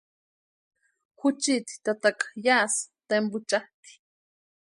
Juchiti tataka yásï tempuchaati.